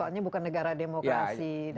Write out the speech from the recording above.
soalnya bukan negara demokrasi